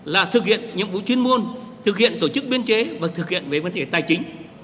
là thực hiện nhiệm vụ chuyên môn thực hiện tổ chức biên chế và thực hiện về vấn đề tài chính